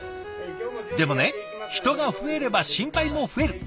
でもね人が増えれば心配も増える。